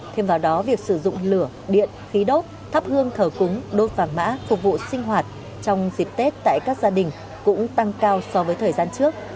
thêm vào đó việc sử dụng lửa điện khí đốt thắp hương thờ cúng đốt vàng mã phục vụ sinh hoạt trong dịp tết tại các gia đình cũng tăng cao so với thời gian trước